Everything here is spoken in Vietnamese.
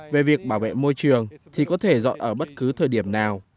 về việc bảo vệ môi trường thì có thể dọn ở bất cứ thời điểm nào